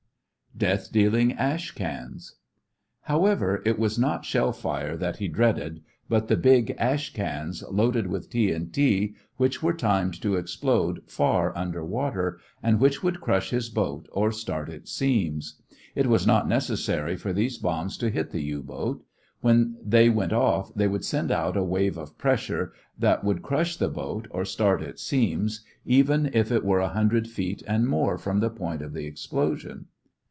DEATH DEALING "ASH CANS" However, it was not shell fire that he dreaded, but the big "ash cans" loaded with TNT which were timed to explode far under water, and which would crush his boat or start its seams. It was not necessary for these bombs to hit the U boat. When they went off they would send out a wave of pressure that would crush the boat or start its seams even if it were a hundred feet and more from the point of the explosion.